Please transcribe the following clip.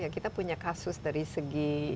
kita punya kasus dari segi